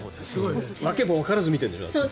訳もわからず見ているんでしょ？